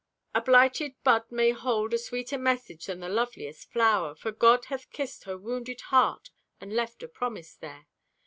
A blighted bud may hold A sweeter message than the loveliest flower. For God hath kissed her wounded heart And left a promise there.